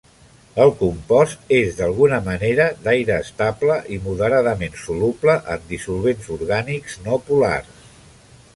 El compost és d'alguna manera d'aire estable i moderadament soluble en dissolvents orgànics no polars.